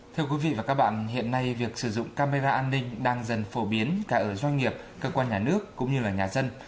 thưa quý vị và các bạn hiện nay việc sử dụng camera an ninh đang dần phổ biến cả ở doanh nghiệp cơ quan nhà nước cũng như là nhà dân